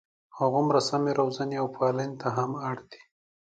هغومره سمې روزنې او پالنې ته هم اړ دي.